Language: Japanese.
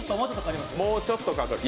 もうちょっとかかる。